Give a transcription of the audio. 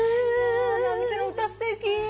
直美ちゃんの歌すてき。